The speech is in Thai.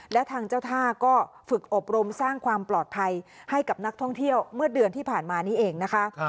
และทางเจ้าท่าก็ฝึกอบรมสร้างความปลอดภัยให้กับนักท่องเที่ยวเมื่อเดือนที่ผ่านมานี้เองนะคะ